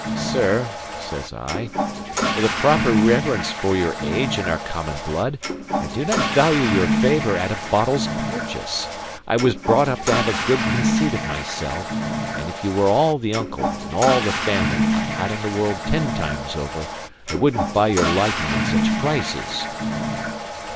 "Sir," says I, "with a proper reverence for your age and our common blood, I do not value your favour at a boddle's purchase. I was brought up to have a good conceit of myself; and if you were all the uncle, and all the family, I had in the world ten times over, I wouldn't buy your liking at such prices."